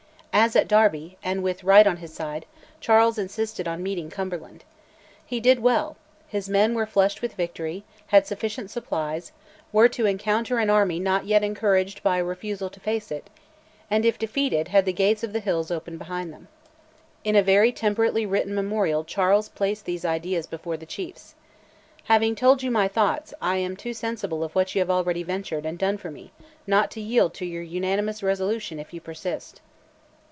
As at Derby, and with right on his side, Charles insisted on meeting Cumberland. He did well, his men were flushed with victory, had sufficient supplies, were to encounter an army not yet encouraged by a refusal to face it, and, if defeated had the gates of the hills open behind them. In a very temperately written memorial Charles placed these ideas before the chiefs. "Having told you my thoughts, I am too sensible of what you have already ventured and done for me, not to yield to your unanimous resolution if you persist."